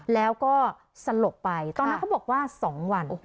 แล้วก็สลบไปตอนนั้นเขาบอกว่า๒วัน